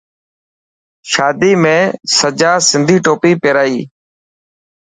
شادي ۾ سجان سنڌي ٽوپي پيرائي.